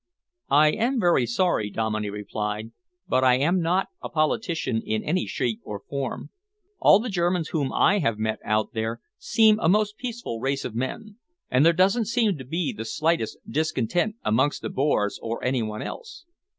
"I am very sorry," Dominey replied, "but I am not a politician in any shape or form. All the Germans whom I have met out there seem a most peaceful race of men, and there doesn't seem to be the slightest discontent amongst the Boers or any one else."